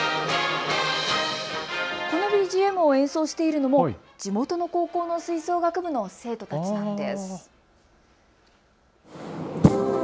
このＢＧＭを演奏しているのも地元の高校の吹奏楽部の生徒たちなんです。